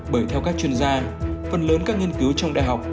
bởi theo các chuyên gia phần lớn các nghiên cứu trong đại học